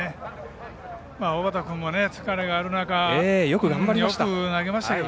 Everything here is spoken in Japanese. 小畠君も疲れがある中よく頑張りました。